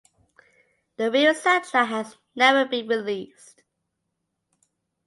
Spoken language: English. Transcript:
The real soundtrack has never been released.